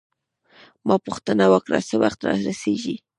ما پوښتنه وکړه: څه وخت رارسیږي؟